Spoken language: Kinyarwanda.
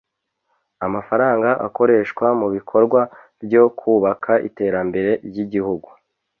amafaranga akoreshwa mu bikorwa byo kubaka iteramber ry’Igihugu